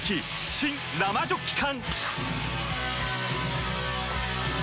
新・生ジョッキ缶！